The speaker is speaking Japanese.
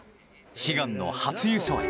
悲願の初優勝へ。